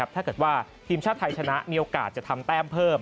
ถ้าเกิดว่าทีมชาติไทยชนะมีโอกาสจะทำแต้มเพิ่ม